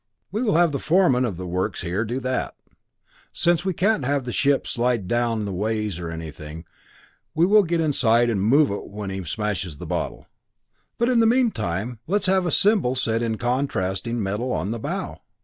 We will have the foreman of the works here do that. Since we can't have the ship slide down the ways or anything, we will get inside and move it when he smashes the bottle. But in the meantime, let's have a symbol set in contrasting metal on the bow.